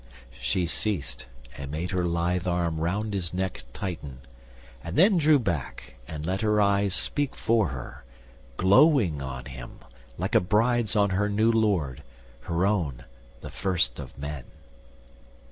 She ceased, and made her lithe arm round his neck Tighten, and then drew back, and let her eyes Speak for her, glowing on him, like a bride's On her new lord, her own, the first of men.